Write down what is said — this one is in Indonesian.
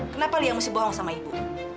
kenapa liang mesti bohong sama ibu